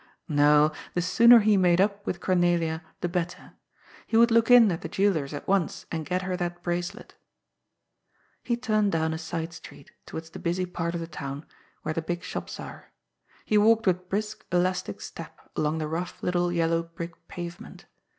No, the sooner he made up with Cornelia the better. He would look in at the jeweller's at once and get her that bracelet. He turned down a side street, towards the busy part of the town, where the big shops are. He walked with brisk, elastic step along the rough little yellow brick pavement.